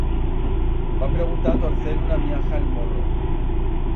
Va preguntar torcend una miaja el morro.